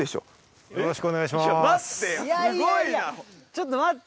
ちょっと待って。